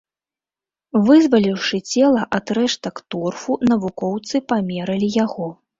Вызваліўшы цела ад рэштак торфу, навукоўцы памералі яго.